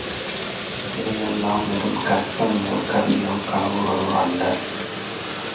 இவையெல்லாம் வெறும் கற்பனையோ, கதையோ, கனவுகளோ அல்ல.